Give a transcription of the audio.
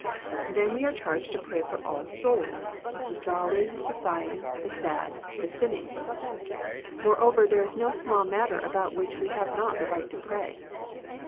Then we are charged to pray for all souls, the THE PEACTIOE OF PRAYEE 125 sorrowing, the sighing, the sad, the sinning. Moreover there is no small matter about which we have not the right to pray.